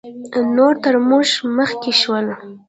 نور تر موږ مخکې شول